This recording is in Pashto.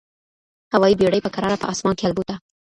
هوايي بېړۍ په کراره په اسمان کي البوته.